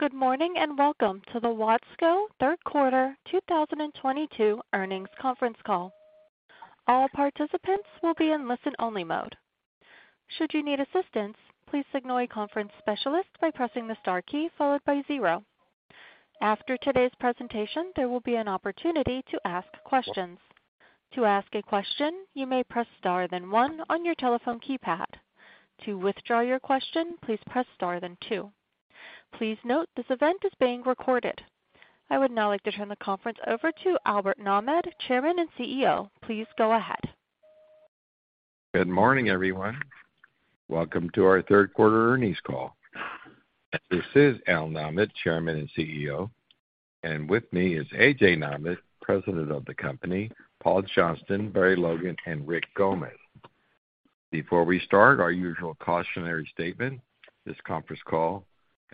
Good morning, and welcome to the Watsco third quarter 2022 earnings conference call. All participants will be in listen-only mode. Should you need assistance, please signal a conference specialist by pressing the star key followed by zero. After today's presentation, there will be an opportunity to ask questions. To ask a question, you may press star then one on your telephone keypad. To withdraw your question, please press star then two. Please note this event is being recorded. I would now like to turn the conference over to Albert Nahmad, Chairman and CEO. Please go ahead. Good morning, everyone. Welcome to our third quarter earnings call. This is Al Nahmad, Chairman and CEO. With me is A.J. Nahmad, President of the Company, Paul Johnston, Barry Logan, and Rick Gomez. Before we start, our usual cautionary statement. This conference call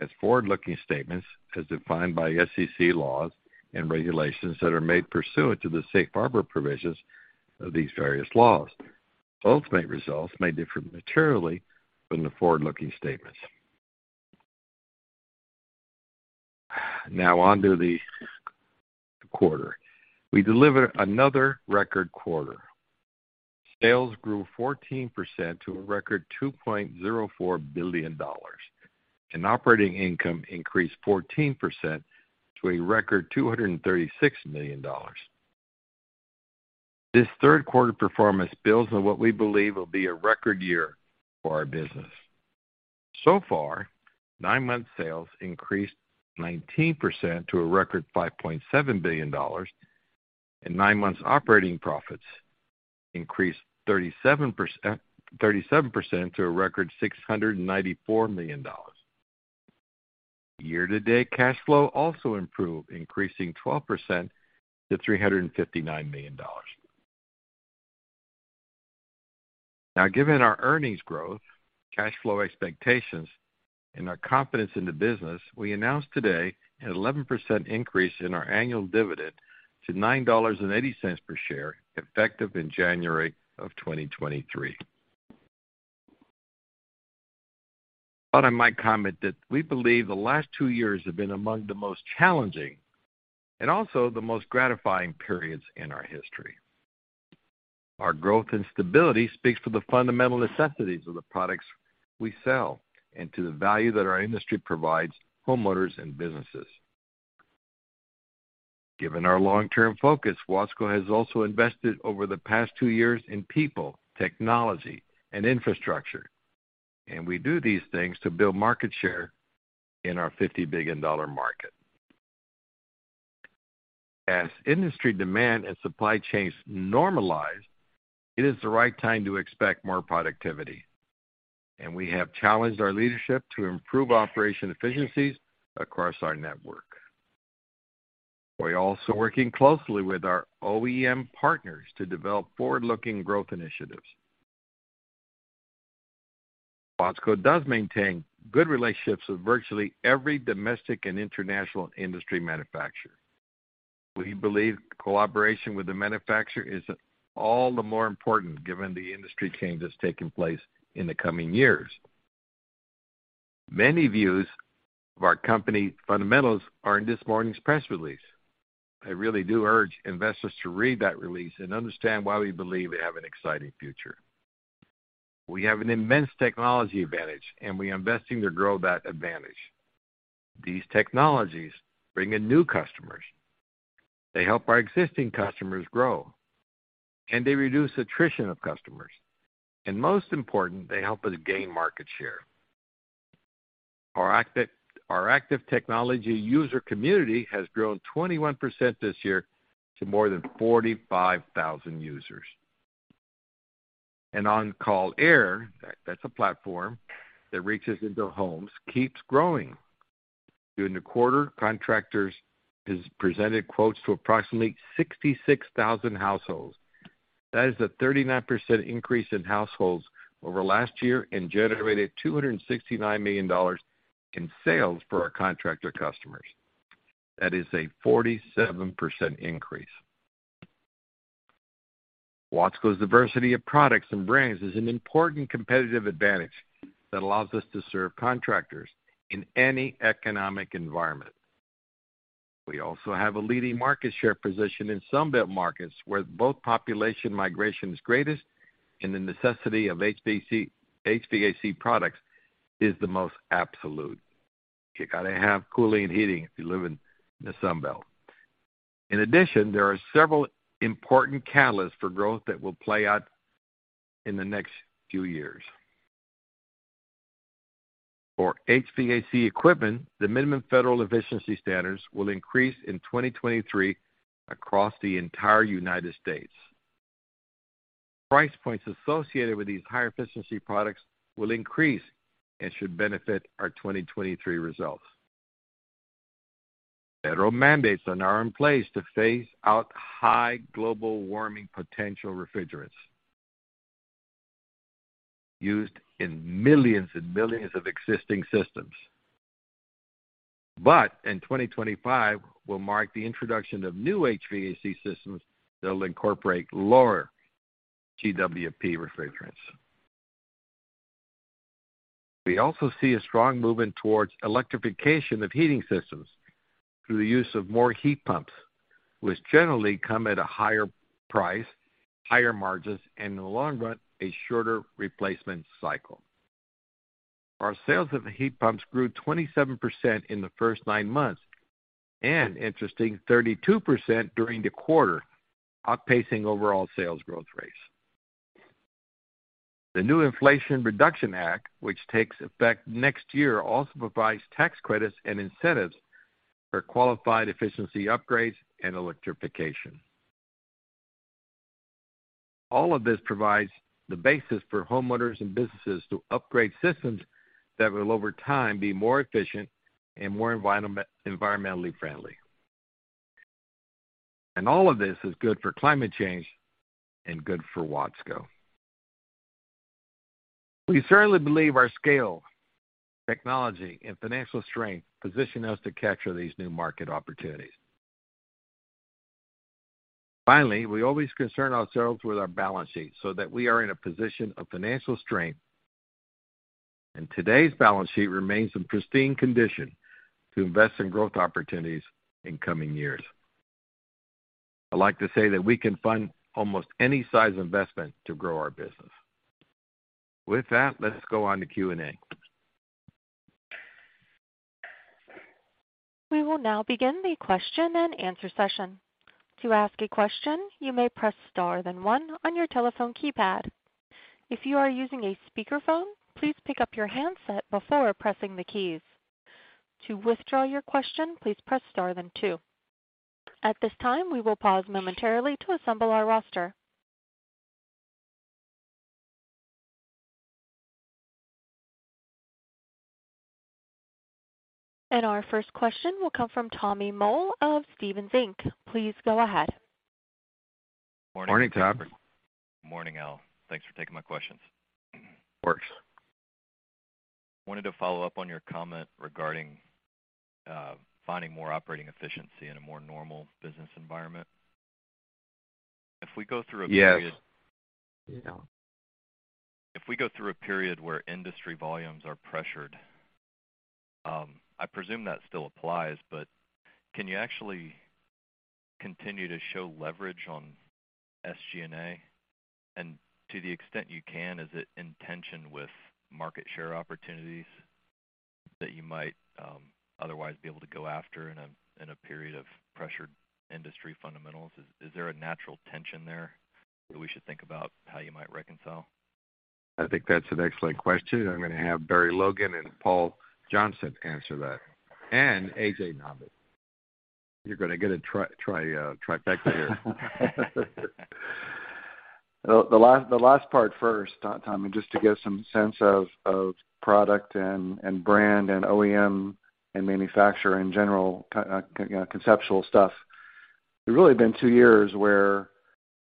has forward-looking statements as defined by SEC laws and regulations that are made pursuant to the safe harbor provisions of these various laws. Ultimate results may differ materially from the forward-looking statements. Now on to the quarter. We delivered another record quarter. Sales grew 14% to a record $2.04 billion. Operating income increased 14% to a record $236 million. This third quarter performance builds on what we believe will be a record year for our business. Far, nine-month sales increased 19% to a record $5.7 billion. Nine months operating profits increased 37% to a record $694 million. Year-to-date cash flow also improved, increasing 12% to $359 million. Now, given our earnings growth, cash flow expectations, and our confidence in the business, we announced today an 11% increase in our annual dividend to $9.80 per share, effective in January of 2023. I might comment that we believe the last two years have been among the most challenging and also the most gratifying periods in our history. Our growth and stability speaks to the fundamental necessities of the products we sell and to the value that our industry provides homeowners and businesses. Given our long-term focus, Watsco has also invested over the past two years in people, technology and infrastructure, and we do these things to build market share in our $50 billion market. As industry demand and supply chains normalize, it is the right time to expect more productivity, and we have challenged our leadership to improve operational efficiencies across our network. We're also working closely with our OEM partners to develop forward-looking growth initiatives. Watsco does maintain good relationships with virtually every domestic and international industry manufacturer. We believe collaboration with the manufacturer is all the more important given the industry change that's taking place in the coming years. Many views of our company fundamentals are in this morning's press release. I really do urge investors to read that release and understand why we believe we have an exciting future. We have an immense technology advantage, and we're investing to grow that advantage. These technologies bring in new customers. They help our existing customers grow, and they reduce attrition of customers. Most important, they help us gain market share. Our active technology user community has grown 21% this year to more than 45,000 users. OnCall Air, that's a platform that reaches into homes, keeps growing. During the quarter, contractors have presented quotes to approximately 66,000 households. That is a 39% increase in households over last year and generated $269 million in sales for our contractor customers. That is a 47% increase. Watsco's diversity of products and brands is an important competitive advantage that allows us to serve contractors in any economic environment. We also have a leading market share position in Sun Belt markets, where both population migration is greatest and the necessity of HVAC products is the most absolute. You gotta have cooling and heating if you live in the Sun Belt. In addition, there are several important catalysts for growth that will play out in the next few years. For HVAC equipment, the minimum federal efficiency standards will increase in 2023 across the entire United States. Price points associated with these higher efficiency products will increase and should benefit our 2023 results. Federal mandates are now in place to phase out high global warming potential refrigerants used in millions and millions of existing systems. In 2025 will mark the introduction of new HVAC systems that'll incorporate lower GWP refrigerants. We also see a strong movement towards electrification of heating systems through the use of more heat pumps, which generally come at a higher price, higher margins and in the long run, a shorter replacement cycle. Our sales of heat pumps grew 27% in the first nine months and interesting 32% during the quarter, outpacing overall sales growth rates. The new Inflation Reduction Act, which takes effect next year, also provides tax credits and incentives for qualified efficiency upgrades and electrification. All of this provides the basis for homeowners and businesses to upgrade systems that will, over time, be more efficient and more environmentally friendly. All of this is good for climate change and good for Watsco. We certainly believe our scale, technology and financial strength position us to capture these new market opportunities. Finally, we always concern ourselves with our balance sheet so that we are in a position of financial strength. Today's balance sheet remains in pristine condition to invest in growth opportunities in coming years. I'd like to say that we can fund almost any size investment to grow our business. With that, let's go on to Q&A. We will now begin the question and answer session. To ask a question, you may press star then one on your telephone keypad. If you are using a speakerphone, please pick up your handset before pressing the keys. To withdraw your question, please press star then two. At this time, we will pause momentarily to assemble our roster. Our first question will come from Tommy Moll of Stephens Inc. Please go ahead. Morning, Tom. Morning, Al. Thanks for taking my questions. Of course. Wanted to follow up on your comment regarding finding more operating efficiency in a more normal business environment. If we go through a period- Yes. If we go through a period where industry volumes are pressured, I presume that still applies, but can you actually continue to show leverage on SG&A? To the extent you can, is it in tension with market share opportunities that you might otherwise be able to go after in a period of pressured industry fundamentals? Is there a natural tension there that we should think about how you might reconcile? I think that's an excellent question. I'm gonna have Barry Logan and Paul Johnston answer that, and A.J. Nahmad. You're gonna get a trifecta here. The last part first, to Tommy, just to give some sense of product and brand and OEM and manufacturer in general, you know, conceptual stuff. There's really been two years where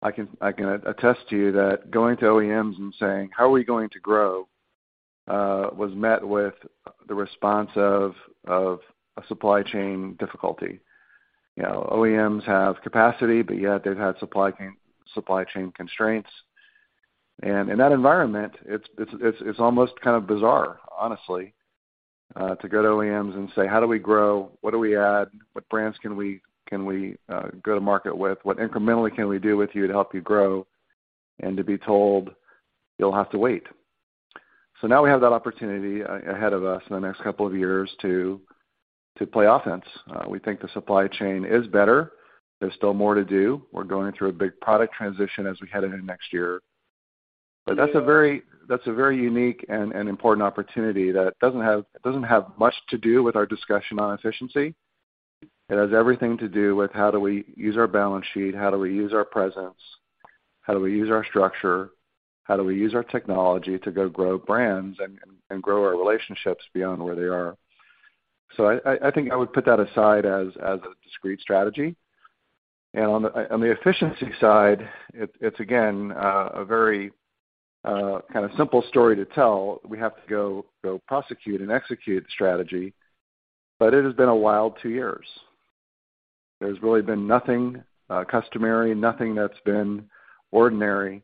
I can attest to you that going to OEMs and saying, "How are we going to grow?" was met with the response of a supply chain difficulty. You know, OEMs have capacity, but yet they've had supply chain constraints. In that environment, it's almost kind of bizarre, honestly, to go to OEMs and say, "How do we grow? What do we add? What brands can we go to market with? What incrementally can we do with you to help you grow?" and to be told you'll have to wait. Now we have that opportunity ahead of us in the next couple of years to play offense. We think the supply chain is better. There's still more to do. We're going through a big product transition as we head into next year. That's a very unique and important opportunity that doesn't have much to do with our discussion on efficiency. It has everything to do with how do we use our balance sheet, how do we use our presence, how do we use our structure, how do we use our technology to go grow brands and grow our relationships beyond where they are. I think I would put that aside as a discrete strategy. On the efficiency side, it's again a very kind of simple story to tell. We have to go prosecute and execute the strategy, but it has been a wild two years. There's really been nothing customary, nothing that's been ordinary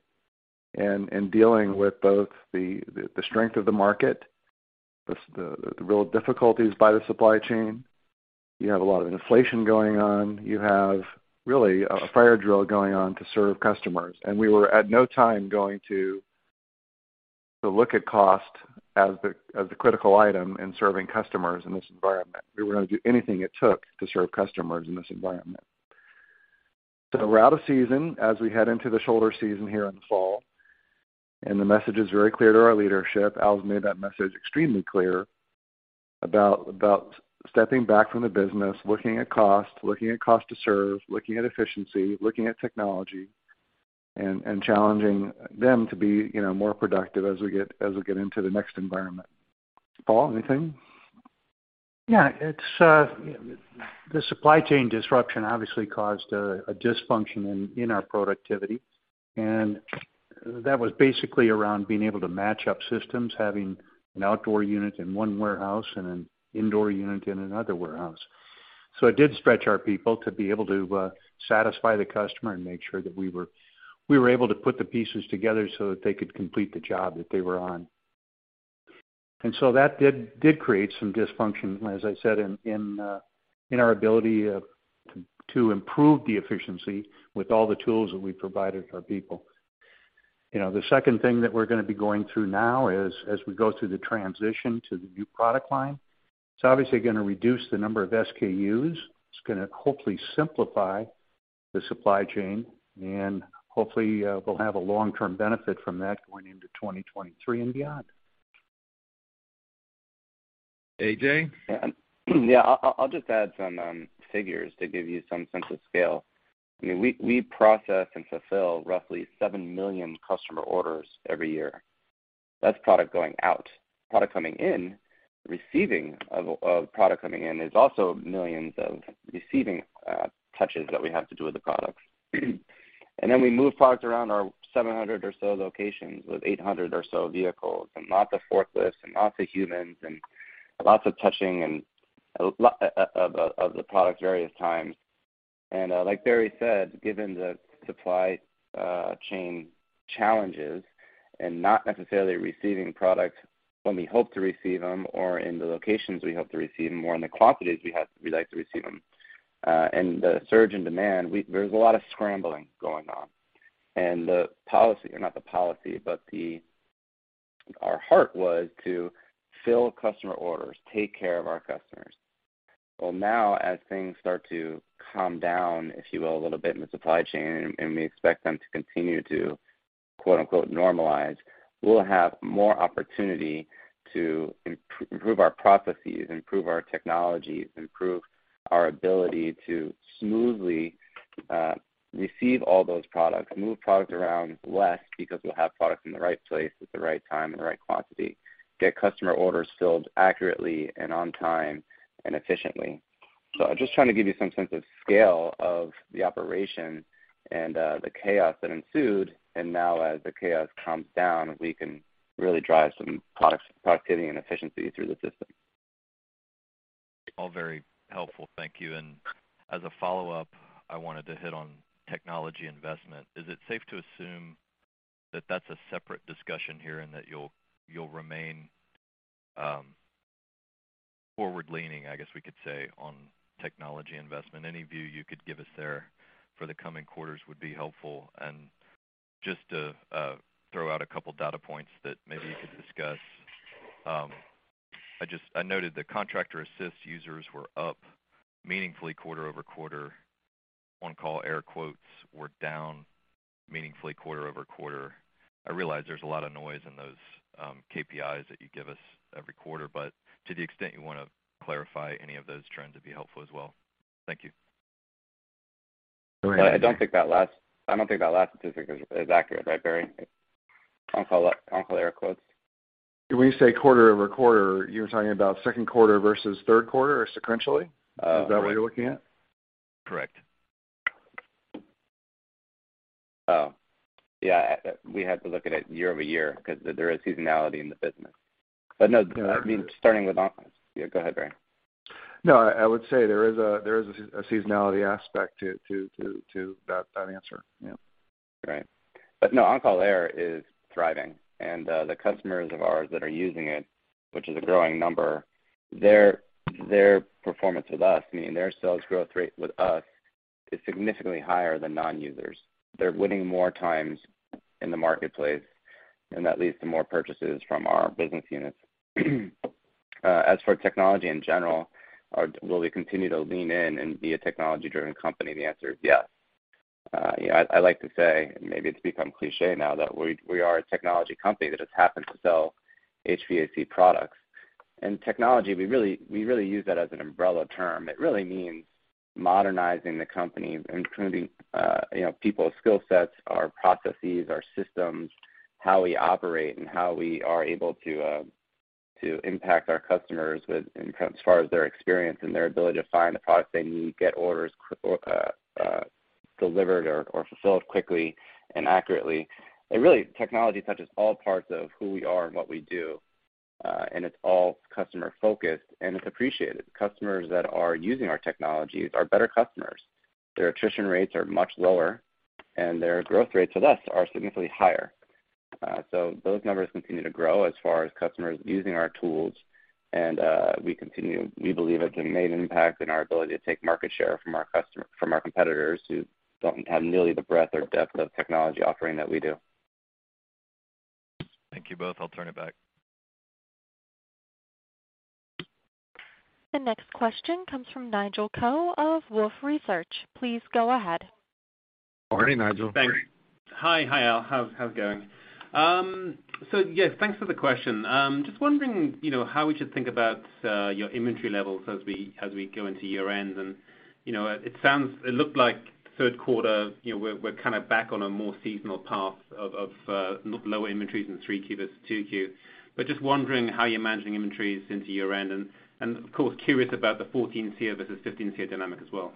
in dealing with both the strength of the market, the real difficulties with the supply chain. You have a lot of inflation going on. You have really a fire drill going on to serve customers. We were at no time going to look at cost as the critical item in serving customers in this environment. We were gonna do anything it took to serve customers in this environment. We're out of season as we head into the shoulder season here in the fall, and the message is very clear to our leadership. Al's made that message extremely clear about stepping back from the business, looking at cost, looking at cost to serve, looking at efficiency, looking at technology and challenging them to be, you know, more productive as we get into the next environment. Paul, anything? Yeah. It's the supply chain disruption obviously caused a dysfunction in our productivity, and that was basically around being able to match up systems, having an outdoor unit in one warehouse and an indoor unit in another warehouse. It did stretch our people to be able to satisfy the customer and make sure that we were able to put the pieces together so that they could complete the job that they were on. That did create some dysfunction, as I said, in our ability to improve the efficiency with all the tools that we provided our people. You know, the second thing that we're gonna be going through now is as we go through the transition to the new product line, it's obviously gonna reduce the number of SKUs. It's gonna hopefully simplify the supply chain, and hopefully we'll have a long-term benefit from that going into 2023 and beyond. AJ? Yeah, I'll just add some figures to give you some sense of scale. I mean, we process and fulfill roughly 7 million customer orders every year. That's product going out. Product coming in, receiving of product coming in is also millions of receiving touches that we have to do with the products. We move products around our 700 or so locations with 800 or so vehicles, and lots of forklifts and lots of humans and lots of touching of the products various times. Like Barry said, given the supply chain challenges and not necessarily receiving products when we hope to receive them or in the locations we hope to receive them or in the quantities we like to receive them, and the surge in demand, there's a lot of scrambling going on. The policy or not the policy, but our heart was to fill customer orders, take care of our customers. Well, now as things start to calm down, if you will, a little bit in the supply chain, and we expect them to continue to, quote-unquote, normalize, we'll have more opportunity to improve our processes, improve our technologies, improve our ability to smoothly receive all those products, move product around less because we'll have products in the right place at the right time and the right quantity, get customer orders filled accurately and on time and efficiently. I'm just trying to give you some sense of scale of the operation and the chaos that ensued. Now as the chaos calms down, we can really drive some products, productivity, and efficiency through the system. All very helpful. Thank you. As a follow-up, I wanted to hit on technology investment. Is it safe to assume that that's a separate discussion here and that you'll remain forward leaning, I guess we could say, on technology investment? Any view you could give us there for the coming quarters would be helpful. Just to throw out a couple data points that maybe you could discuss. I noted that HVAC Assist users were up meaningfully quarter-over-quarter. OnCall Air quotes were down meaningfully quarter-over-quarter. I realize there's a lot of noise in those KPIs that you give us every quarter, but to the extent you wanna clarify any of those trends would be helpful as well. Thank you. I don't think that last statistic is accurate, right, Barry? OnCall Air. When you say quarter-over-quarter, you're talking about second quarter versus third quarter or sequentially? Uh. Is that what you're looking at? Correct. Oh, yeah. We have to look at it year-over-year 'cause there is seasonality in the business. No, I mean, yeah, go ahead, Barry. No, I would say there is a seasonality aspect to that answer. Yeah. Right. No, OnCall Air is thriving. The customers of ours that are using it, which is a growing number, their performance with us, meaning their sales growth rate with us, is significantly higher than non-users. They're winning more times in the marketplace, and that leads to more purchases from our business units. As for technology in general, will we continue to lean in and be a technology-driven company? The answer is yes. You know, I like to say, maybe it's become cliché now that we are a technology company that just happens to sell HVAC products. Technology, we really use that as an umbrella term. It really means modernizing the company, including, you know, people's skill sets, our processes, our systems, how we operate, and how we are able to impact our customers within terms as far as their experience and their ability to find the products they need, get orders delivered or fulfilled quickly and accurately. Really, technology touches all parts of who we are and what we do, and it's all customer-focused, and it's appreciated. Customers that are using our technologies are better customers. Their attrition rates are much lower, and their growth rates with us are significantly higher. Those numbers continue to grow as far as customers using our tools. We believe it's a main impact in our ability to take market share from our competitors who don't have nearly the breadth or depth of technology offering that we do. Thank you both. I'll turn it back. The next question comes from Nigel Coe of Wolfe Research. Please go ahead. Good morning, Nigel. Thanks. Hi. Hi, Al. How's it going? So yeah, thanks for the question. Just wondering, you know, how we should think about your inventory levels as we go into year-end? You know, it looked like third quarter, you know, we're kind of back on a more seasonal path of lower inventories in 3Q versus 2Q. Just wondering how you're managing inventories into year-end and, of course, curious about the 14 SEER versus 15 SEER dynamic as well.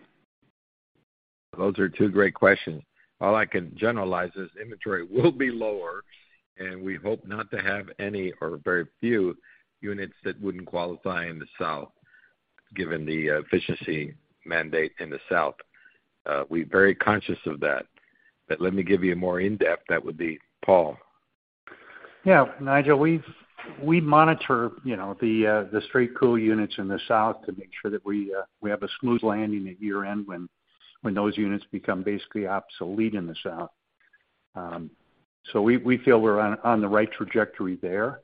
Those are two great questions. All I can generalize is inventory will be lower, and we hope not to have any or very few units that wouldn't qualify in the South, given the efficiency mandate in the South. We're very conscious of that. Let me give you more in-depth. That would be Paul. Yeah. Nigel, we monitor, you know, the straight cool units in the south to make sure that we have a smooth landing at year-end when those units become basically obsolete in the south. We feel we're on the right trajectory there.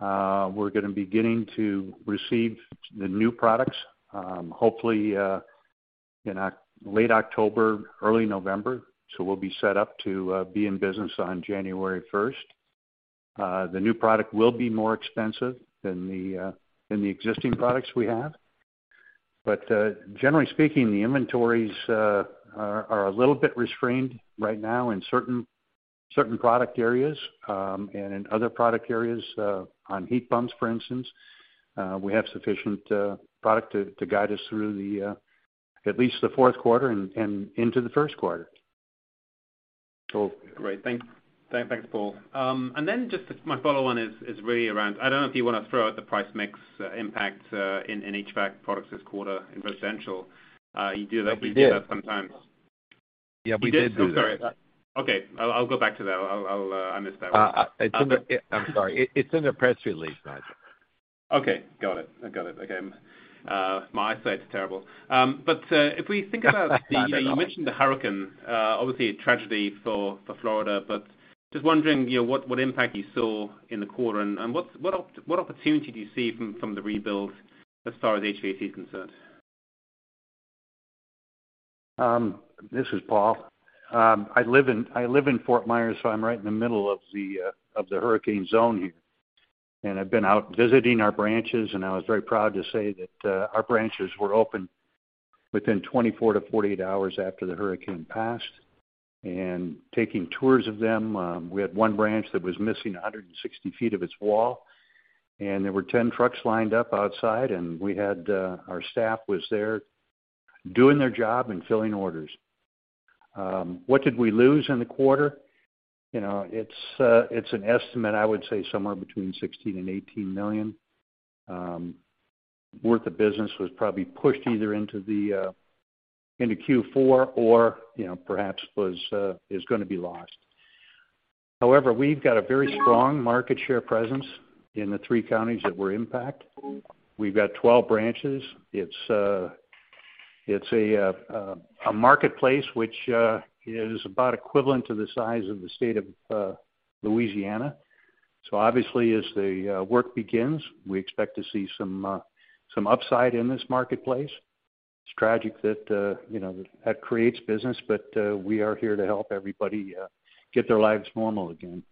We're gonna be getting to receive the new products hopefully in late October, early November. We'll be set up to be in business on January first. The new product will be more expensive than the existing products we have. Generally speaking, the inventories are a little bit restrained right now in certain product areas. In other product areas, on heat pumps, for instance, we have sufficient product to guide us through at least the fourth quarter and into the first quarter. Cool. Great. Thanks, Paul. Just my follow on is really around, I don't know if you wanna throw out the price mix impact, in HVAC products this quarter in residential. You do that. We did. You do that sometimes. Yeah, we did do that. You did? Oh, sorry. Okay, I'll. I missed that one. It's in the press release, Nigel. Okay, got it. My eyesight's terrible. You mentioned the hurricane. Obviously a tragedy for Florida, but just wondering, you know, what impact you saw in the quarter and what opportunity do you see from the rebuild as far as HVAC is concerned? This is Paul. I live in Fort Myers, so I'm right in the middle of the hurricane zone here. I've been out visiting our branches, and I was very proud to say that our branches were open within 24-48 hours after the hurricane passed. Taking tours of them, we had one branch that was missing 160 feet of its wall, and there were 10 trucks lined up outside, and our staff was there doing their job and filling orders. What did we lose in the quarter? You know, it's an estimate, I would say somewhere between $16 million and $18 million worth of business was probably pushed either into Q4 or, you know, perhaps is gonna be lost. However, we've got a very strong market share presence in the three counties that were impacted. We've got 12 branches. It's a marketplace which is about equivalent to the size of the state of Louisiana. Obviously, as the work begins, we expect to see some upside in this marketplace. It's tragic that, you know, that creates business, but we are here to help everybody get their lives normal again.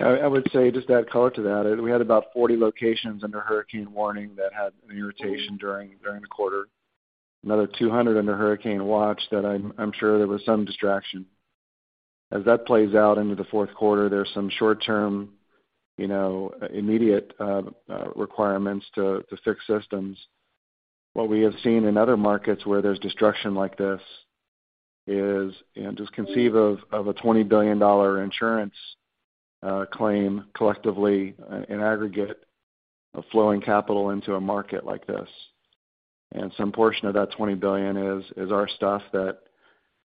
Yeah. I would say, just to add color to that, we had about 40 locations under hurricane warning that had an interruption during the quarter. Another 200 under hurricane watch that I'm sure there was some distraction. As that plays out into the fourth quarter, there's some short-term, you know, immediate requirements to fix systems. What we have seen in other markets where there's destruction like this is, you know, just conceive of a $20 billion insurance claim collectively in aggregate of flowing capital into a market like this. Some portion of that $20 billion is our stuff that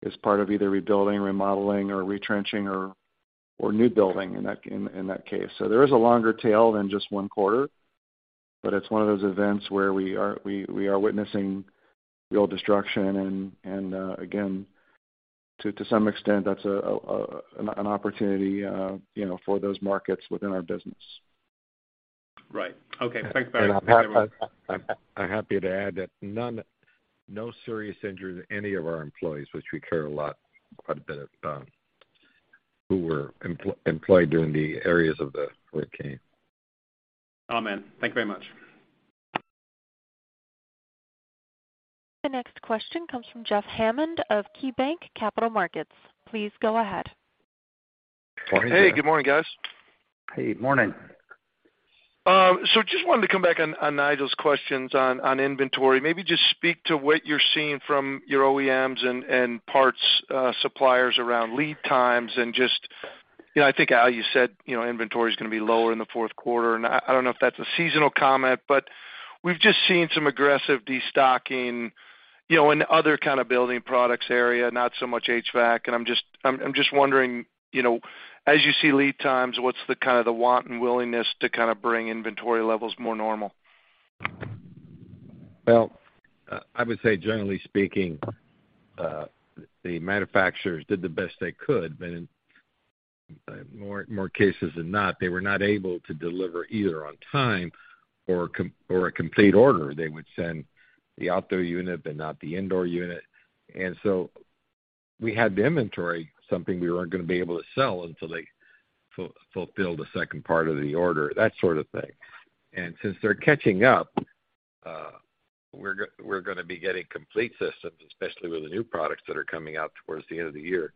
is part of either rebuilding, remodeling, or retrenching or new building in that case. There is a longer tail than just one quarter, but it's one of those events where we are witnessing real destruction. Again, to some extent, that's an opportunity, you know, for those markets within our business. Right. Okay. Thanks very much. I'm happy to add that no serious injuries to any of our employees, which we care a lot, quite a bit about, who were employed during the areas of the hurricane. Amen. Thank you very much. The next question comes from Jeffrey Hammond of KeyBanc Capital Markets. Please go ahead. Morning, Jeff. Hey, good morning, guys. Hey, morning. Just wanted to come back on Nigel's questions on inventory. Maybe just speak to what you're seeing from your OEMs and parts suppliers around lead times. You know, I think, Al, you said, you know, inventory is gonna be lower in the fourth quarter, and I don't know if that's a seasonal comment, but we've just seen some aggressive destocking, you know, in other kind of building products area, not so much HVAC. I'm just wondering, you know, as you see lead times, what's the kind of the want and willingness to kind of bring inventory levels more normal? Well, I would say generally speaking, the manufacturers did the best they could, but in more cases than not, they were not able to deliver either on time or a complete order. They would send the outdoor unit, but not the indoor unit. We had the inventory, something we weren't gonna be able to sell until they fulfilled the second part of the order, that sort of thing. Since they're catching up, we're gonna be getting complete systems, especially with the new products that are coming out towards the end of the year.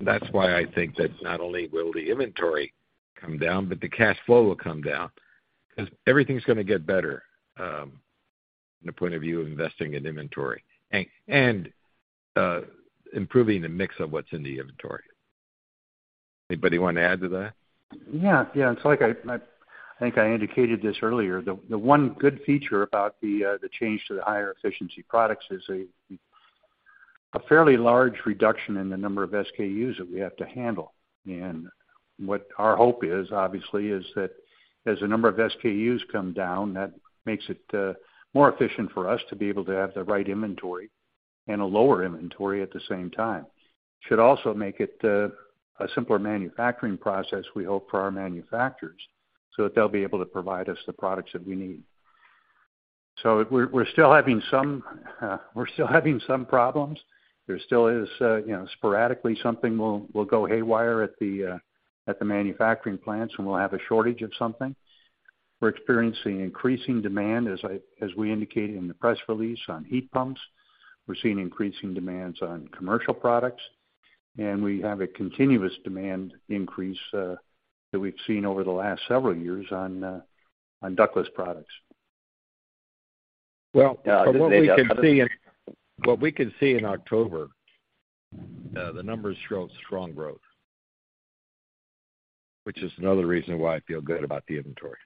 That's why I think that not only will the inventory come down, but the cash flow will come down because everything's gonna get better from the point of view of investing in inventory and improving the mix of what's in the inventory. Anybody wanna add to that? Yeah. Yeah. It's like I think I indicated this earlier. The one good feature about the change to the higher efficiency products is a fairly large reduction in the number of SKUs that we have to handle. What our hope is, obviously, is that as the number of SKUs come down, that makes it more efficient for us to be able to have the right inventory and a lower inventory at the same time. Should also make it a simpler manufacturing process, we hope, for our manufacturers so that they'll be able to provide us the products that we need. We're still having some problems. There still is, you know, sporadically something will go haywire at the manufacturing plants, and we'll have a shortage of something. We're experiencing increasing demand, as we indicated in the press release on heat pumps. We're seeing increasing demands on commercial products, and we have a continuous demand increase that we've seen over the last several years on ductless products. Well, what we can see in October, the numbers show strong growth, which is another reason why I feel good about the inventory.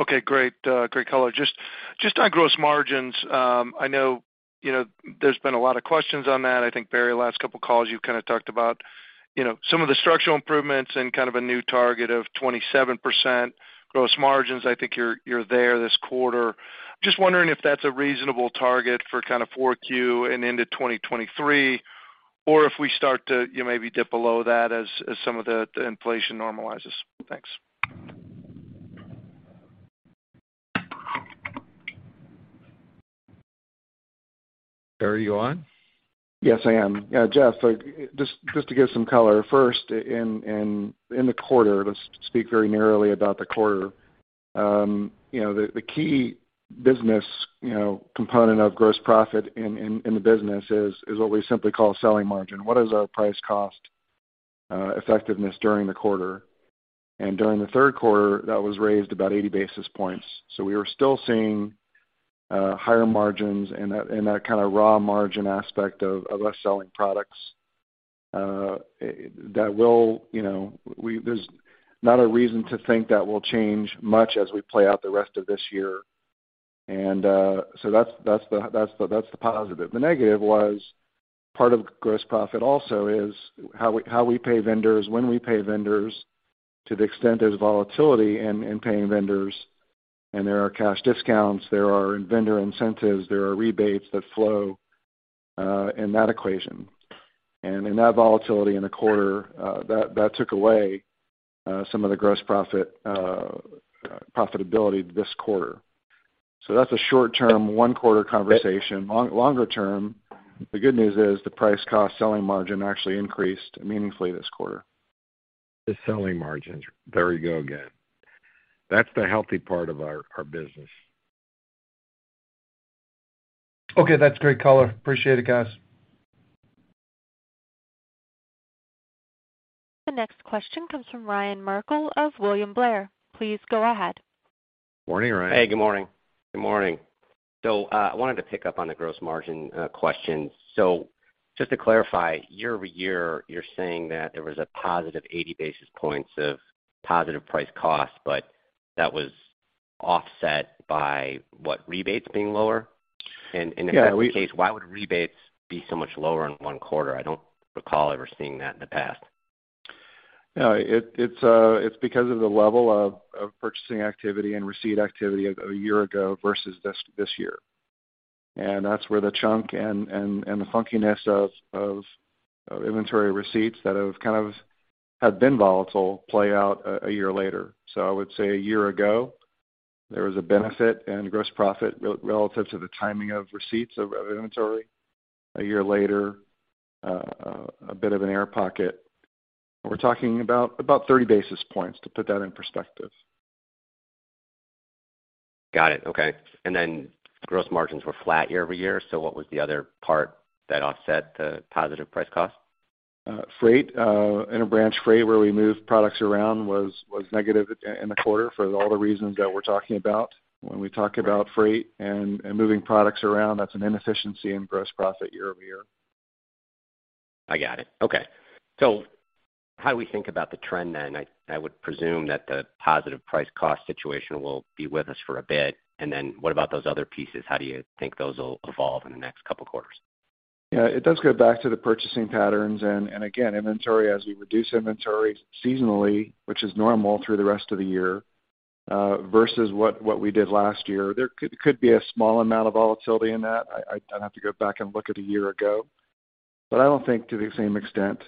Okay, great. Great color. Just on gross margins, I know, you know, there's been a lot of questions on that. I think, Barry, the last couple of calls, you kinda talked about, you know, some of the structural improvements and kind of a new target of 27% gross margins. I think you're there this quarter. Just wondering if that's a reasonable target for kinda 4Q and into 2023, or if we start to, you know, maybe dip below that as some of the inflation normalizes. Thanks. Barry, you on? Yes, I am. Yeah, Jeff, so just to give some color. First, in the quarter, let's speak very narrowly about the quarter. You know, the key business component of gross profit in the business is what we simply call selling margin. What is our price cost effectiveness during the quarter? During the third quarter, that was raised about 80 basis points. We were still seeing higher margins in that kinda raw margin aspect of us selling products. You know, there's not a reason to think that will change much as we play out the rest of this year. That's the positive. The negative was part of gross profit also is how we pay vendors, when we pay vendors to the extent there's volatility in paying vendors, and there are cash discounts, there are vendor incentives, there are rebates that flow in that equation. In that volatility in the quarter, that took away some of the gross profit profitability this quarter. That's a short-term one quarter conversation. Longer term, the good news is the price cost selling margin actually increased meaningfully this quarter. The selling margins. There we go again. That's the healthy part of our business. Okay, that's great color. Appreciate it, guys. The next question comes from Ryan Merkel of William Blair. Please go ahead. Morning, Ryan. Hey, good morning. Good morning. I wanted to pick up on the gross margin question. Just to clarify, year-over-year, you're saying that there was a positive 80 basis points of positive price cost, but that was offset by what rebates being lower? If that's the case, why would rebates be so much lower in one quarter? I don't recall ever seeing that in the past. No, it's because of the level of purchasing activity and receipt activity a year ago versus this year. That's where the chunk and the funkiness of inventory receipts that have kind of had been volatile play out a year later. I would say a year ago, there was a benefit in gross profit relative to the timing of receipts of inventory. A year later, a bit of an air pocket. We're talking about 30 basis points to put that in perspective. Got it. Okay. Gross margins were flat year-over-year, so what was the other part that offset the positive price cost? Freight and a branch freight where we moved products around was negative in the quarter for all the reasons that we're talking about. When we talk about freight and moving products around, that's an inefficiency in gross profit year-over-year. I got it. Okay. How do we think about the trend then? I would presume that the positive price cost situation will be with us for a bit. Then what about those other pieces? How do you think those will evolve in the next couple quarters? Yeah, it does go back to the purchasing patterns and again, inventory, as we reduce inventory seasonally, which is normal through the rest of the year, versus what we did last year. There could be a small amount of volatility in that. I'd have to go back and look at a year ago, but I don't think to the same extent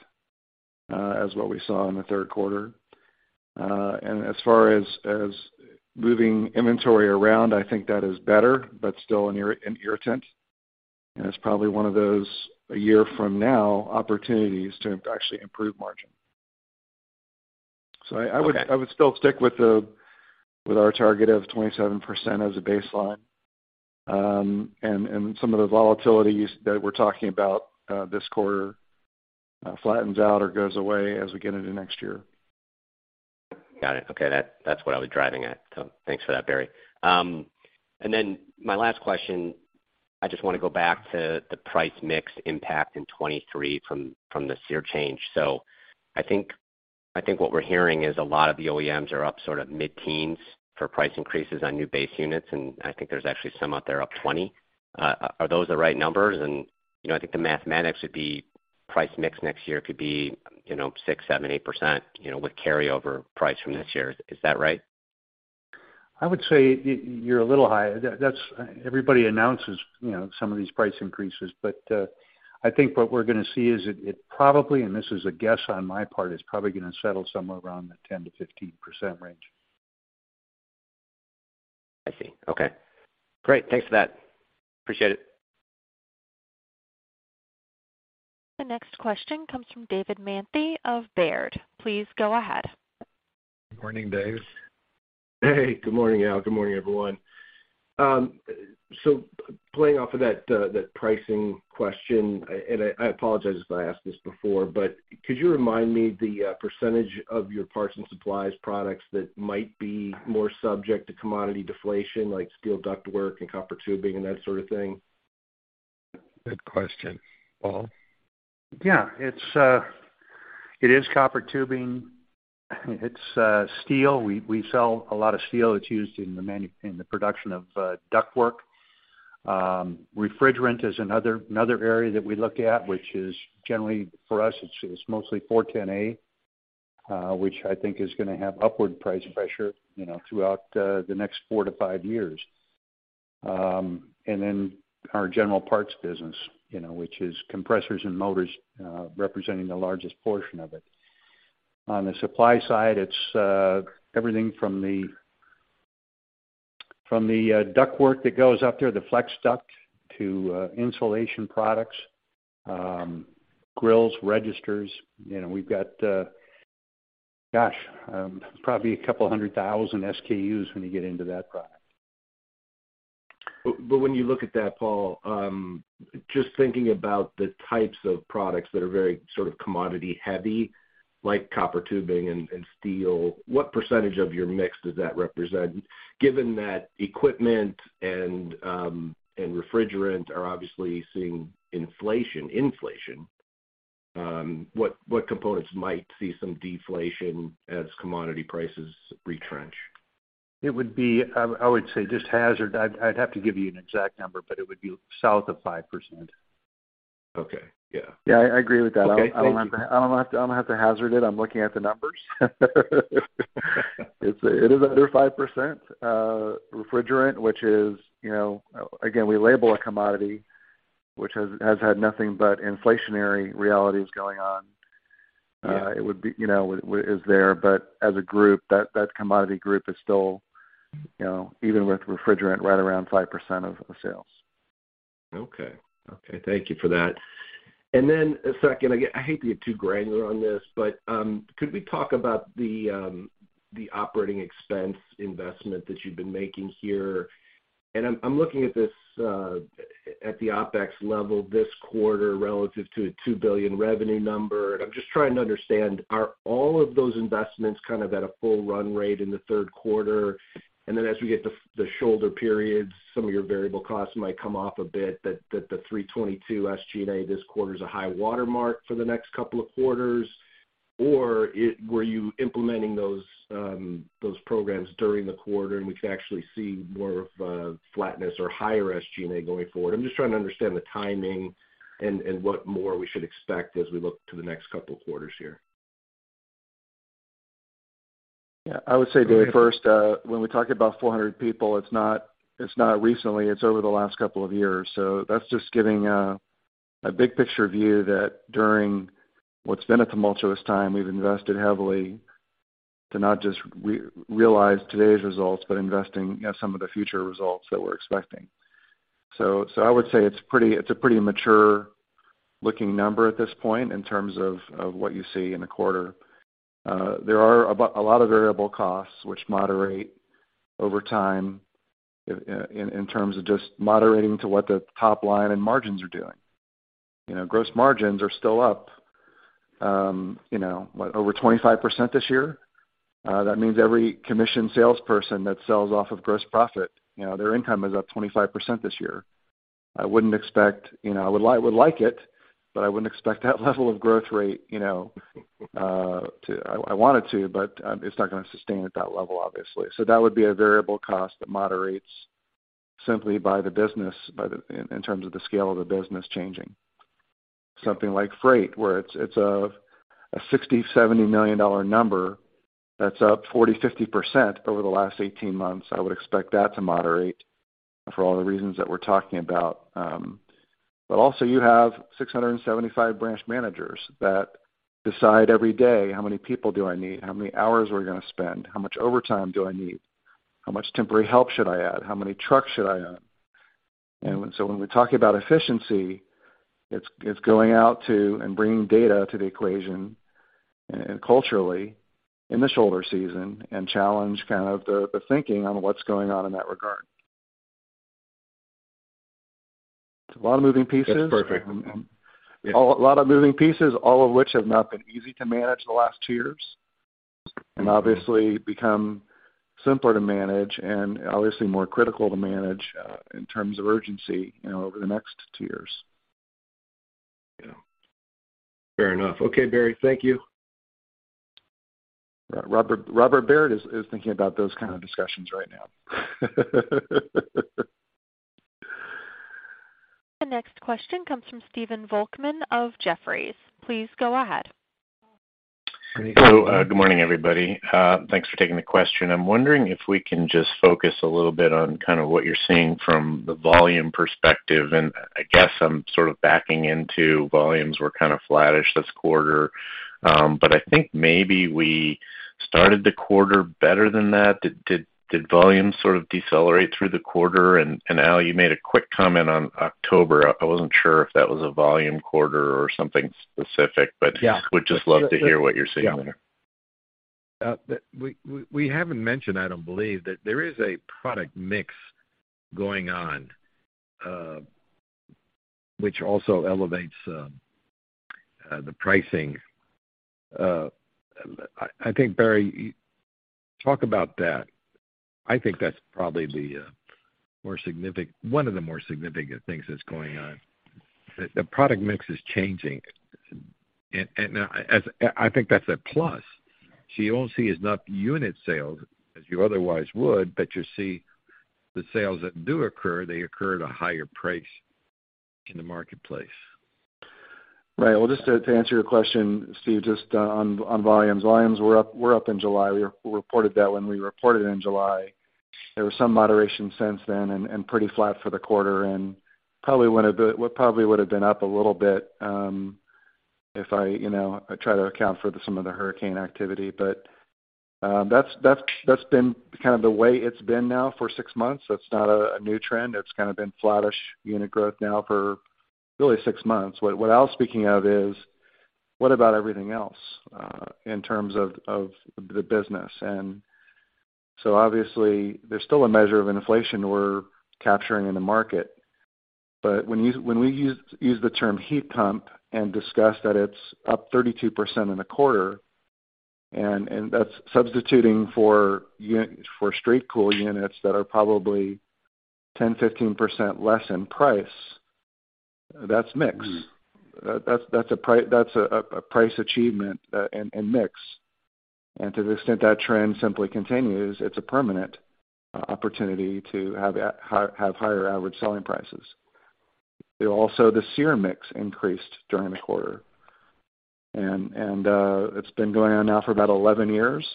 as what we saw in the third quarter. As far as moving inventory around, I think that is better, but still an irritant. It's probably one of those a year from now opportunities to actually improve margin. I would still stick with our target of 27% as a baseline. Some of the volatilities that we're talking about this quarter flattens out or goes away as we get into next year. Got it. Okay. That's what I was driving at, so thanks for that, Barry. And then my last question, I just wanna go back to the price mix impact in 2023 from the SEER change. I think what we're hearing is a lot of the OEMs are up sort of mid-teens for price increases on new base units, and I think there's actually some out there up 20. Are those the right numbers? You know, I think the Mathematics would be price mix next year could be, you know, 6, 7, 8%, you know, with carryover price from this year. Is that right? I would say you're a little high. That's. Everybody announces, you know, some of these price increases, but I think what we're gonna see is it probably, and this is a guess on my part, it's probably gonna settle somewhere around the 10%-15% range. I see. Okay. Great. Thanks for that. Appreciate it. The next question comes from David Manthey of Baird. Please go ahead. Morning, Dave. Hey, good morning, Al. Good morning, everyone. Playing off of that pricing question, and I apologize if I asked this before, but could you remind me the percentage of your parts and supplies products that might be more subject to commodity deflation, like steel duct work and copper tubing and that sort of thing? Good question. Paul? Yeah. It's copper tubing. It's steel. We sell a lot of steel that's used in the production of ductwork. Refrigerant is another area that we look at, which is generally for us, it's mostly R-410A, which I think is gonna have upward price pressure, you know, throughout the next 4-5 years. And then our general parts business, you know, which is compressors and motors, representing the largest portion of it. On the supply side, it's everything from the ductwork that goes up there, the flex duct to insulation products, grills, registers. You know, we've got, gosh, probably 200,000 SKUs when you get into that product. When you look at that, Paul, just thinking about the types of products that are very sort of commodity heavy, like copper tubing and steel, what percentage of your mix does that represent? Given that equipment and refrigerant are obviously seeing inflation, what components might see some deflation as commodity prices retrench? It would be. I would say I'd have to give you an exact number, but it would be south of 5%. Okay. Yeah. Yeah, I agree with that. Okay. Thank you. I don't have to hazard it. I'm looking at the numbers. It is under 5% refrigerant, which is, you know, again, we label a commodity which has had nothing but inflationary realities going on. Yeah. It would be, you know, but as a group, that commodity group is still, you know, even with refrigerant right around 5% of the sales. Okay. Okay, thank you for that. Then a second, again, I hate to get too granular on this, but could we talk about the operating expense investment that you've been making here? I'm looking at this at the OpEx level this quarter relative to a $2 billion revenue number. I'm just trying to understand, are all of those investments kind of at a full run rate in the third quarter? Then as we get the shoulder periods, some of your variable costs might come off a bit, that the $322 million SG&A this quarter is a high watermark for the next couple of quarters? Or were you implementing those programs during the quarter and we could actually see more of flatness or higher SG&A going forward? I'm just trying to understand the timing and what more we should expect as we look to the next couple quarters here. Yeah. I would say, Dave, first, when we talk about 400 people, it's not recently, it's over the last couple of years. That's just giving a big picture view that during what's been a tumultuous time, we've invested heavily to not just realize today's results, but investing in some of the future results that we're expecting. I would say it's a pretty mature looking number at this point in terms of what you see in a quarter. There are a lot of variable costs which moderate over time in terms of just moderating to what the top line and margins are doing. You know, gross margins are still up, you know, over 25% this year. That means every commissioned salesperson that sells off of gross profit, you know, their income is up 25% this year. I wouldn't expect, you know, I would like it, but I wouldn't expect that level of growth rate, you know. I wanted to, but it's not gonna sustain at that level, obviously. That would be a variable cost that moderates simply by the business, in terms of the scale of the business changing. Something like freight, where it's a $60-$70 million number that's up 40%-50% over the last eighteen months. I would expect that to moderate for all the reasons that we're talking about. Also you have 675 branch managers that decide every day, how many people do I need? How many hours are we gonna spend? How much overtime do I need? How much temporary help should I add? How many trucks should I own? When we talk about efficiency, it's going out to and bringing data to the equation and culturally in the shoulder season and challenge kind of the thinking on what's going on in that regard. It's a lot of moving pieces. That's perfect. A lot of moving pieces, all of which have not been easy to manage the last two years, and obviously become simpler to manage and obviously more critical to manage, in terms of urgency, you know, over the next two years. Yeah. Fair enough. Okay, Barry, thank you. Robert W. Baird is thinking about those kind of discussions right now. The next question comes from Stephen Volkmann of Jefferies. Please go ahead. Great. Hello. Good morning, everybody. Thanks for taking the question. I'm wondering if we can just focus a little bit on kind of what you're seeing from the volume perspective, and I guess I'm sort of backing into volumes were kind of flattish this quarter. But I think maybe we started the quarter better than that. Did volumes sort of decelerate through the quarter? And Al, you made a quick comment on October. I wasn't sure if that was a volume quarter or something specific, but. Yeah. Would just love to hear what you're seeing there. Yeah. We haven't mentioned, I don't believe, that there is a product mix going on, which also elevates the pricing. I think, Barry, talk about that. I think that's probably the more significant one of the more significant things that's going on. The product mix is changing. I think that's a plus. You won't see as much unit sales as you otherwise would, but you see the sales that do occur, they occur at a higher price in the marketplace. Right. Well, just to answer your question, Steve, just on volumes. Volumes were up in July. We reported that when we reported in July. There was some moderation since then and pretty flat for the quarter. We probably would have been up a little bit if I try to account for some of the hurricane activity. But that's been kind of the way it's been now for six months. That's not a new trend. It's kind of been flattish unit growth now for really six months. What Al's speaking of is what about everything else in terms of the business. Obviously, there's still a measure of inflation we're capturing in the market. When we use the term heat pump and discuss that it's up 32% in a quarter, and that's substituting for straight cool units that are probably 10%-15% less in price, that's mix. Mm-hmm. That's a price achievement in mix. To the extent that trend simply continues, it's a permanent opportunity to have higher average selling prices. Also, the SEER mix increased during the quarter. It's been going on now for about 11 years.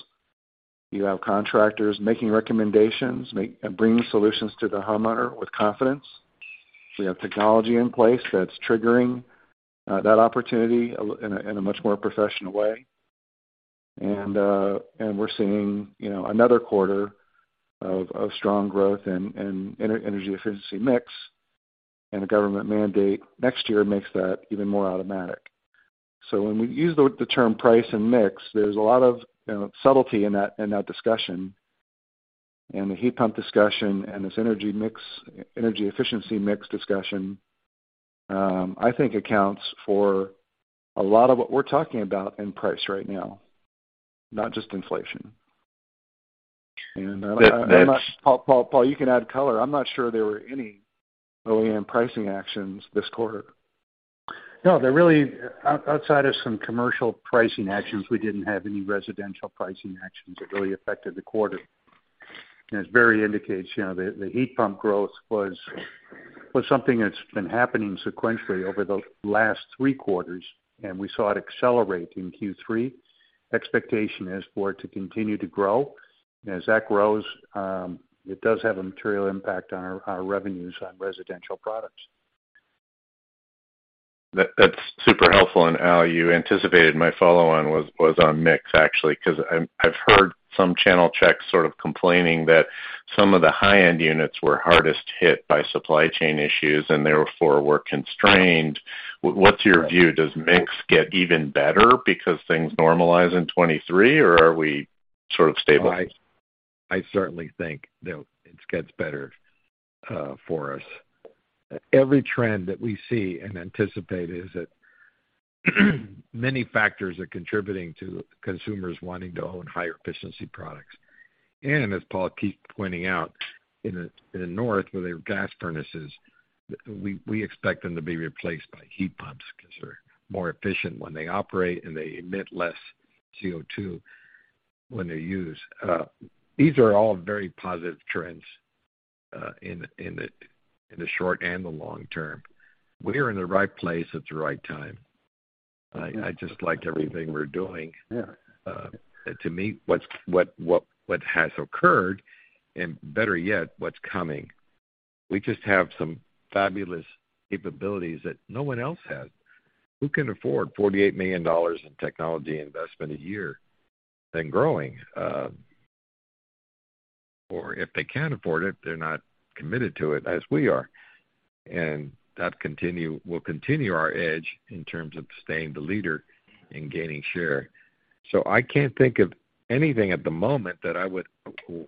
You have contractors making recommendations, bringing solutions to the homeowner with confidence. We have technology in place that's triggering that opportunity in a much more professional way. We're seeing, you know, another quarter of strong growth in energy efficiency mix, and a government mandate next year makes that even more automatic. When we use the term price and mix, there's a lot of, you know, subtlety in that discussion. The heat pump discussion and this energy mix, energy efficiency mix discussion, I think accounts for a lot of what we're talking about in price right now, not just inflation. I'm not- That, that's- Paul, you can add color. I'm not sure there were any OEM pricing actions this quarter. No, outside of some commercial pricing actions, we didn't have any residential pricing actions that really affected the quarter. As Barry indicates, you know, the heat pump growth was something that's been happening sequentially over the last three quarters, and we saw it accelerate in Q3. Expectation is for it to continue to grow. As that grows, it does have a material impact on our revenues on residential products. That, that's super helpful. Al, you anticipated my follow-on was on mix, actually. 'Cause I've heard some channel checks sort of complaining that some of the high-end units were hardest hit by supply chain issues and therefore were constrained. What's your view? Does mix get even better because things normalize in 2023, or are we sort of stable? I certainly think that it gets better for us. Every trend that we see and anticipate is that many factors are contributing to consumers wanting to own higher efficiency products. As Paul keeps pointing out, in the North, where there are gas furnaces, we expect them to be replaced by heat pumps 'cause they're more efficient when they operate and they emit less CO2 when they're used. These are all very positive trends in the short and the long term. We're in the right place at the right time. I just like everything we're doing. Yeah. To me, what has occurred and better yet, what's coming, we just have some fabulous capabilities that no one else has. Who can afford $48 million in technology investment a year than growing? If they can't afford it, they're not committed to it as we are. That will continue our edge in terms of staying the leader in gaining share. I can't think of anything at the moment that I would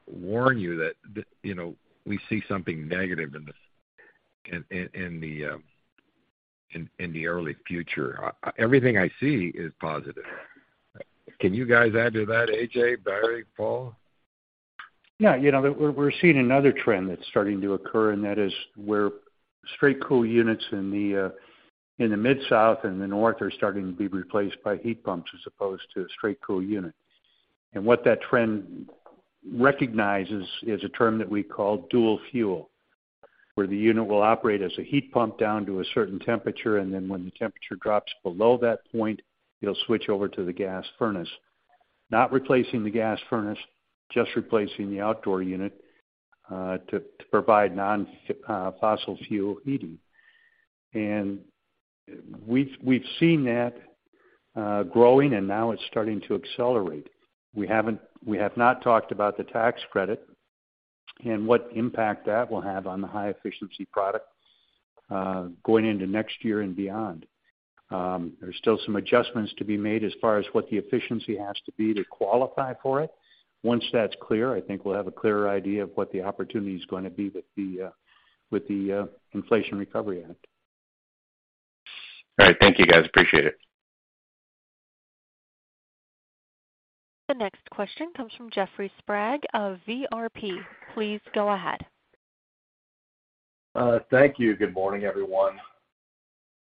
warn you that, you know, we see something negative in this, in the early future. Everything I see is positive. Can you guys add to that, A.J., Barry, Paul? Yeah, you know, we're seeing another trend that's starting to occur, and that is where straight cool units in the mid-south and the north are starting to be replaced by heat pumps as opposed to straight cool units. What that trend recognizes is a term that we call dual fuel, where the unit will operate as a heat pump down to a certain temperature, and then when the temperature drops below that point, it'll switch over to the gas furnace. Not replacing the gas furnace, just replacing the outdoor unit to provide non-fossil fuel heating. We've seen that growing, and now it's starting to accelerate. We have not talked about the tax credit and what impact that will have on the high efficiency product going into next year and beyond. There's still some adjustments to be made as far as what the efficiency has to be to qualify for it. Once that's clear, I think we'll have a clearer idea of what the opportunity is gonna be with the Inflation Reduction Act. All right. Thank you, guys. Appreciate it. The next question comes from Jeffrey Sprague of VRP. Please go ahead. Thank you. Good morning, everyone.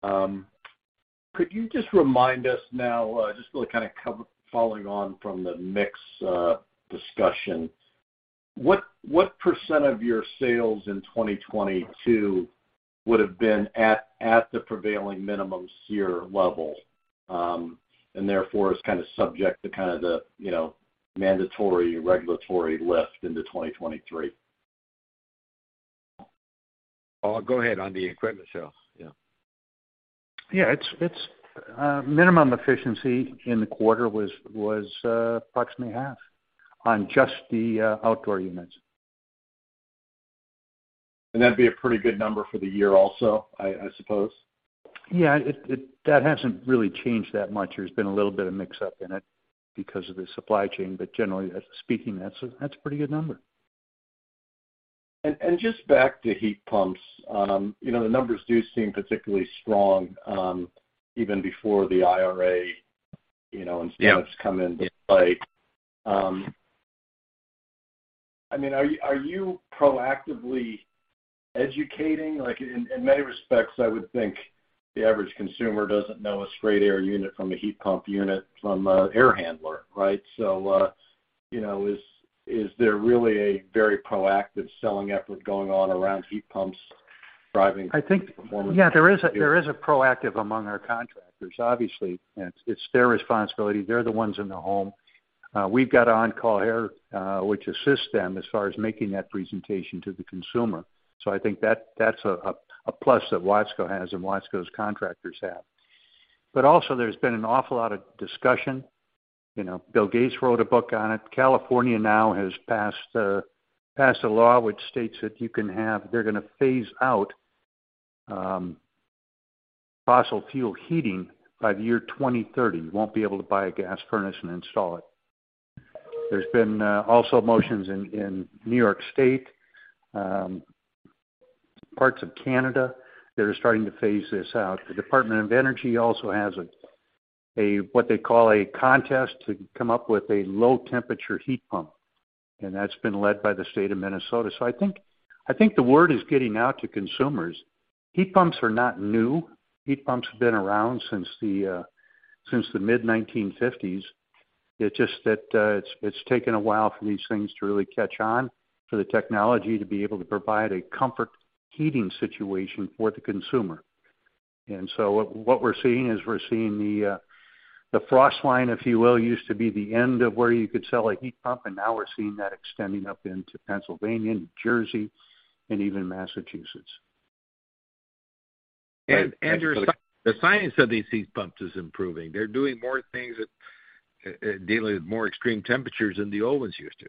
Could you just remind us now, just really kind of cover following on from the mix discussion, what % of your sales in 2022 would have been at the prevailing minimum SEER level, and therefore is kind of subject to kind of the mandatory regulatory lift into 2023? Paul, go ahead on the equipment sales. Yeah. Yeah. It's minimum efficiency in the quarter was approximately half on just the outdoor units. That'd be a pretty good number for the year also, I suppose. Yeah. That hasn't really changed that much. There's been a little bit of mix up in it because of the supply chain. Generally speaking, that's a pretty good number. Just back to heat pumps, you know, the numbers do seem particularly strong, even before the IRA, you know. Yeah. Incentives come into play. I mean, are you proactively educating? Like, in many respects, I would think the average consumer doesn't know a straight air unit from a heat pump unit from a air handler, right? So, you know, is there really a very proactive selling effort going on around heat pumps driving- I think. -performance? Yeah, there is a proactive among our contractors. Obviously, it's their responsibility. They're the ones in the home. We've got OnCall Air, which assists them as far as making that presentation to the consumer. So I think that's a plus that Watsco has and Watsco's contractors have. But also there's been an awful lot of discussion. You know, Bill Gates wrote a book on it. California now has passed a law which states that you can have. They're gonna phase out fossil fuel heating by the year 2030. You won't be able to buy a gas furnace and install it. There's been also motions in New York State, parts of Canada that are starting to phase this out. The Department of Energy also has what they call a contest to come up with a low temperature heat pump, and that's been led by the state of Minnesota. I think the word is getting out to consumers. Heat pumps are not new. Heat pumps have been around since the mid-1950s. It's just that it's taken a while for these things to really catch on, for the technology to be able to provide a comfort heating situation for the consumer. What we're seeing is the frost line, if you will, used to be the end of where you could sell a heat pump, and now we're seeing that extending up into Pennsylvania, New Jersey, and even Massachusetts. The science of these heat pumps is improving. They're doing more things, dealing with more extreme temperatures than the old ones used to.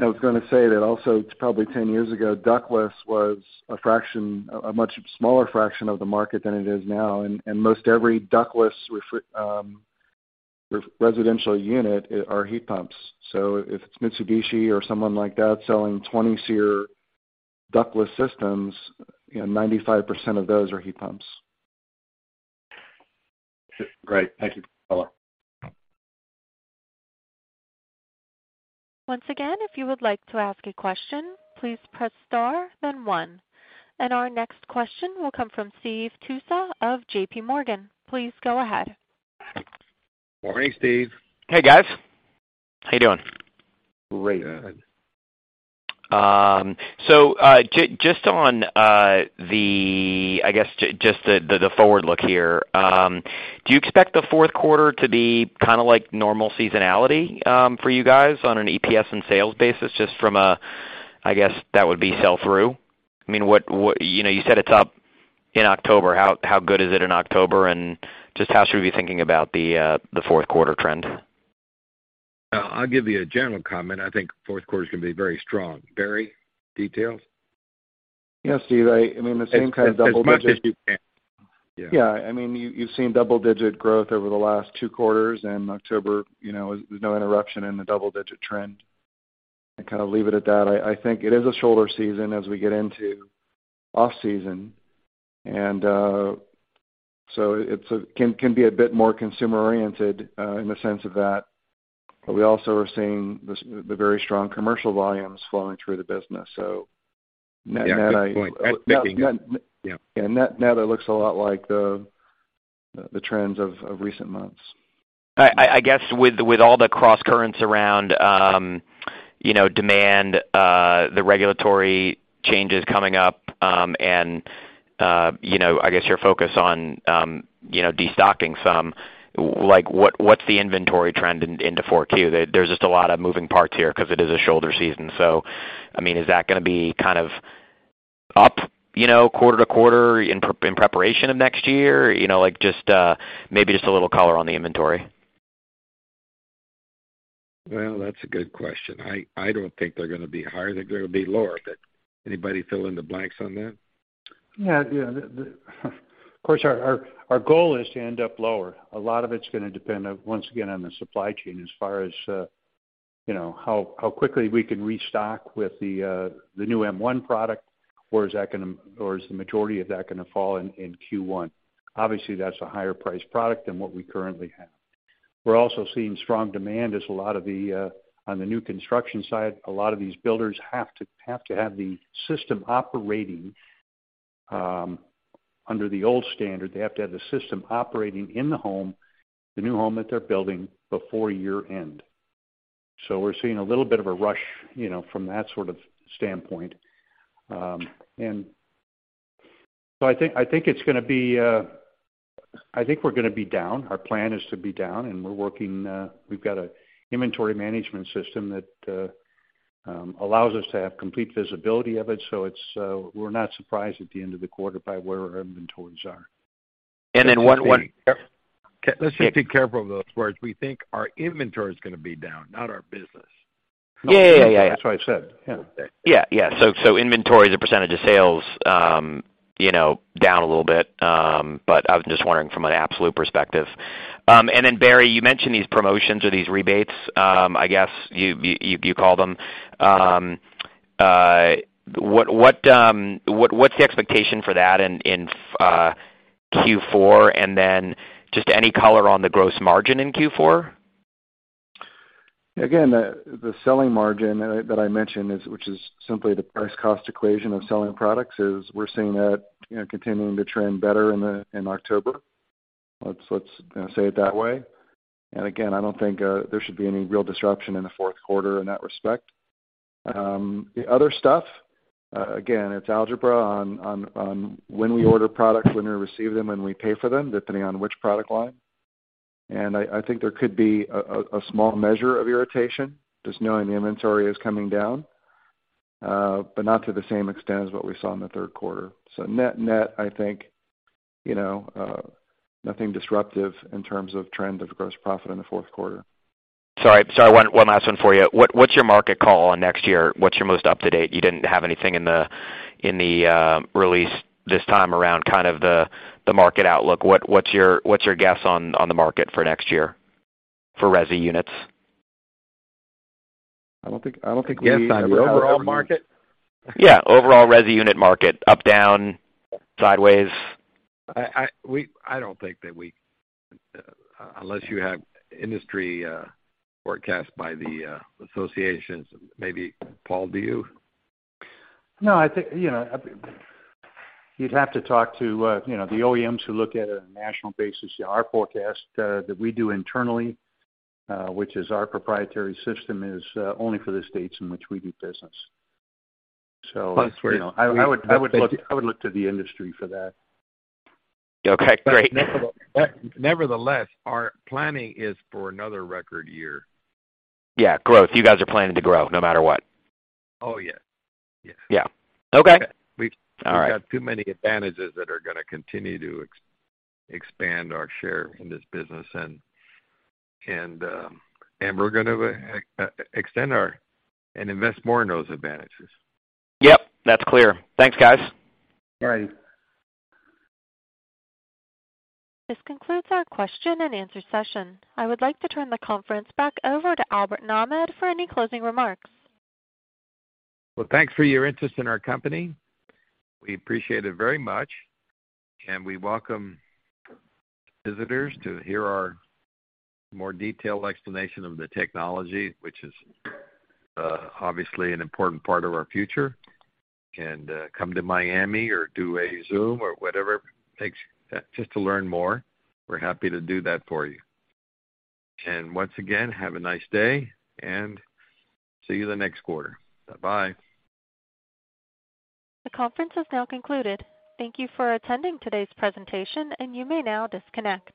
I was gonna say that also probably 10 years ago, ductless was a fraction, a much smaller fraction of the market than it is now. Most every ductless residential unit are heat pumps. If it's Mitsubishi or someone like that selling 20 SEER ductless systems, you know, 95% of those are heat pumps. Great. Thank you. Once again, if you would like to ask a question, please press star then one. Our next question will come from Steve Tusa of J.P. Morgan. Please go ahead. Morning, Steve. Hey, guys. How you doing? Great. Good. Just on the forward look here, I guess just the forward look here, do you expect the fourth quarter to be kinda like normal seasonality for you guys on an EPS and sales basis, just from a, I guess, that would be sell through? I mean, you know, you said it's up in October, how good is it in October? Just how should we be thinking about the fourth quarter trend? I'll give you a general comment. I think fourth quarter is gonna be very strong. Barry, details? Yes, Steve, I mean, the same kind of double digit. As much as you can. Yeah. Yeah. I mean, you've seen double-digit growth over the last two quarters, and October, you know, there was no interruption in the double-digit trend. I kind of leave it at that. I think it is a shoulder season as we get into off-season. It's can be a bit more consumer-oriented in the sense of that we also are seeing the very strong commercial volumes flowing through the business. Net, Yeah, good point. Net. Yeah. Yeah. Net, net it looks a lot like the trends of recent months. I guess with all the crosscurrents around, you know, demand, the regulatory changes coming up, and, you know, I guess, your focus on, you know, destocking some, like, what's the inventory trend into 4Q? There's just a lot of moving parts here 'cause it is a shoulder season. I mean, is that gonna be kind of up, you know, quarter to quarter in preparation of next year? You know, like, just maybe just a little color on the inventory. Well, that's a good question. I don't think they're gonna be higher, they're gonna be lower. Anybody fill in the blanks on that? Yeah. Of course our goal is to end up lower. A lot of it's gonna depend on, once again, on the supply chain as far as, you know, how quickly we can restock with the new M1 product, or is the majority of that gonna fall in Q1? Obviously, that's a higher priced product than what we currently have. We're also seeing strong demand as a lot of the on the new construction side, a lot of these builders have to have the system operating under the old standard. They have to have the system operating in the home, the new home that they're building before year end. We're seeing a little bit of a rush, you know, from that sort of standpoint. I think we're gonna be down. Our plan is to be down, and we're working. We've got an inventory management system that allows us to have complete visibility of it, so we're not surprised at the end of the quarter by where our inventories are. One. Let's just be careful of those words. We think our inventory is gonna be down, not our business. Yeah, yeah. That's what I said. Yeah. Yeah. Inventory as a percentage of sales, you know, down a little bit. I was just wondering from an absolute perspective. Barry, you mentioned these promotions or these rebates, I guess you call them. What's the expectation for that in Q4? Just any color on the gross margin in Q4. Again, the selling margin that I mentioned is, which is simply the price-cost equation of selling products, is we're seeing that, you know, continuing to trend better in October. Let's you know say it that way. Again, I don't think there should be any real disruption in the fourth quarter in that respect. The other stuff, again, it's algebra on when we order products, when we receive them, when we pay for them, depending on which product line. I think there could be a small measure of irritation, just knowing the inventory is coming down, but not to the same extent as what we saw in the third quarter. net-net, I think, you know, nothing disruptive in terms of trend of gross profit in the fourth quarter. Sorry, one last one for you. What's your market call on next year? What's your most up-to-date? You didn't have anything in the release this time around, kind of the market outlook. What's your guess on the market for next year for resi units? I don't think we- Guess on the overall market? Yeah, overall resi unit market. Up, down, sideways. I don't think that we unless you have industry forecast by the associations, maybe, Paul, do you? No, I think, you know, you'd have to talk to, you know, the OEMs who look at it on a national basis. Our forecast, that we do internally, which is our proprietary system, is only for the states in which we do business. Plus we're- You know, I would look to the industry for that. Okay, great. Nevertheless, our planning is for another record year. Yeah, growth. You guys are planning to grow no matter what. Oh, yes. Yes. Yeah. Okay. We've- All right. We've got too many advantages that are gonna continue to expand our share in this business. We're gonna extend and invest more in those advantages. Yep, that's clear. Thanks, guys. All right. This concludes our question and answer session. I would like to turn the conference back over to Albert Nahmad for any closing remarks. Well, thanks for your interest in our company. We appreciate it very much, and we welcome visitors to hear our more detailed explanation of the technology, which is obviously an important part of our future. Come to Miami or do a Zoom or whatever it takes just to learn more. We're happy to do that for you. Once again, have a nice day and see you the next quarter. Bye-bye. The conference has now concluded. Thank you for attending today's presentation, and you may now disconnect.